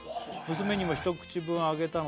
「娘にも一口分あげたのですが」